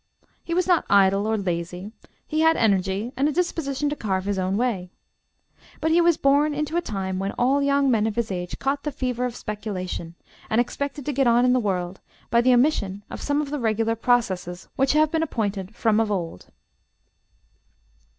He was not idle or lazy, he had energy and a disposition to carve his own way. But he was born into a time when all young men of his age caught the fever of speculation, and expected to get on in the world by the omission of some of the regular processes which have been appointed from of old.